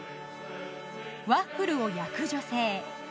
ワッフルを焼く女性。